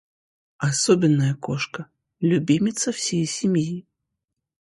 Особенная кошка - любимица всей семьи